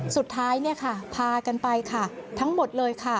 สุดท้ายพากันไปค่ะทั้งหมดเลยค่ะ